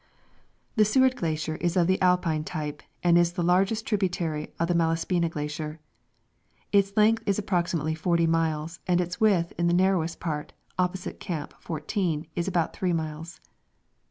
The Seward Glacier is of the Alpine type, and is the largest tributary of the Malaspina glacier. Its length is approximately 40 miles, and its width in the narrowest part, opposite Camp fourteen, is about 3 miles.